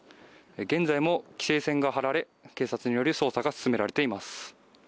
現在も規制線が張られ、警察による捜査が進められています。